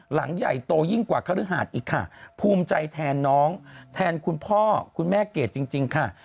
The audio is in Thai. หลังใหญ่โตยิ่งกว่าคฤหาสอีกค่ะภูมิใจแทนน้องแทนคุณพ่อคุณแม่เกดจริงค่ะ